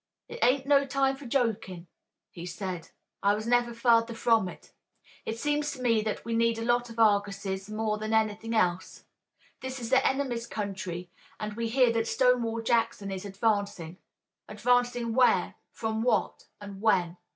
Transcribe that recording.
"It ain't no time for jokin'," he said. "I was never further from it. It seems to me that we need a lot of Arguses more than anything else. This is the enemy's country, and we hear that Stonewall Jackson is advancing. Advancing where, from what and when?